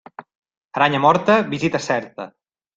Aranya morta, visita certa.